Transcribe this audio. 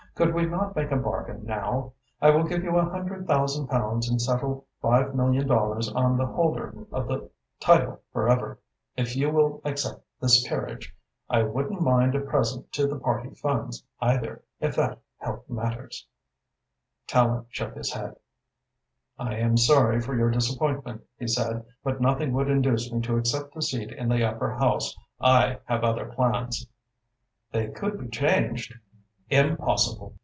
"Could we not make a bargain now? I will give you a hundred thousand pounds and settle five million dollars on the holder of the title forever, if you will accept this peerage. I wouldn't mind a present to the party funds, either, if that helped matters." Tallente shook his head. "I am sorry for your disappointment," he said, "but nothing would induce me to accept a seat in the Upper House. I have other plans." "They could be changed." "Impossible!"